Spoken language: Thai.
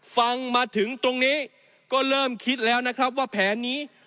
ฟังมาถึงตรงนี้ก็เริ่มคิดแล้วนะครับว่าแผนนี้